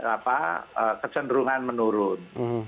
apa kecenderungan menurun